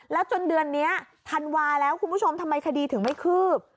แล้วจนเดือนนี้ธันวาแล้วคุณผู้ชมทำไมคดีถึงไม่คืบ